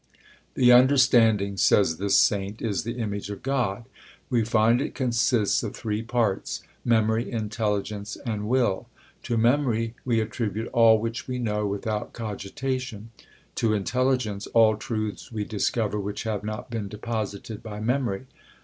"The understanding," says this saint, "is the image of God. We find it consists of three parts: memory, intelligence, and will. To memory, we attribute all which we know, without cogitation; to intelligence, all truths we discover which have not been deposited by memory.